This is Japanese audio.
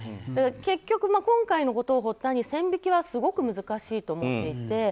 結局、今回のことを発端に線引きはすごく難しいと思っていて。